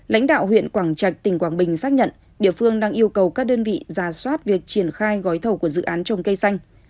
lãnh đạo huyện quảng trạch tỉnh quảng bình xác nhận địa phương đang yêu cầu các đơn vị ra soát việc triển khai gói thầu của dự án trồng cây xanh